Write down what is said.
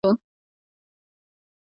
مک فیرسن لیک تیمورشاه ته واستاوه.